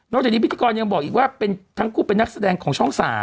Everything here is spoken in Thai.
จากนี้พิธีกรยังบอกอีกว่าเป็นทั้งคู่เป็นนักแสดงของช่อง๓